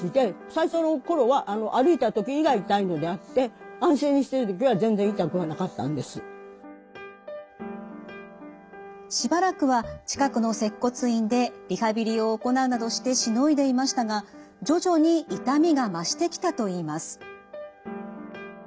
最初の頃は歩いたときが痛いのであってしばらくは近くの接骨院でリハビリを行うなどしてしのいでいましたが徐々に痛みが増してきたと言います。